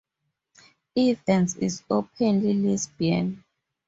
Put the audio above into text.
Evans is openly lesbian.